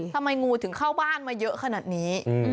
ทำไมงูถึงเข้าบ้านมาเยอะขนาดนี้